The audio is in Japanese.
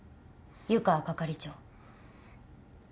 湯川係長。